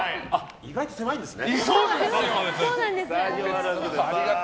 意外と狭いんですね。